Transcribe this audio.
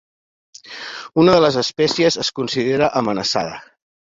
Una de les espècies es considera amenaçada.